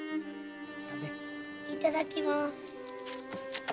いただきます。